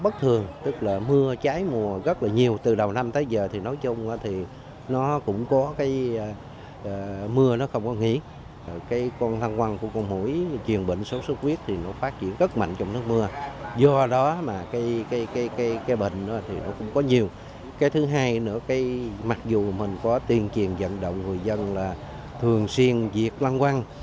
thứ hai nữa mặc dù mình có tuyên truyền dẫn động người dân là thường xuyên diệt lăng quăng